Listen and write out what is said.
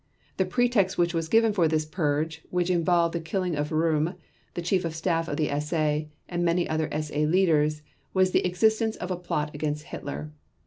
The pretext which was given for this purge, which involved the killing of Röhm, the Chief of Staff of the SA, and many other SA leaders, was the existence of a plot against Hitler.